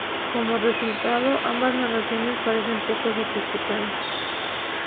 Como resultado, ambas narraciones parecen poco sofisticadas.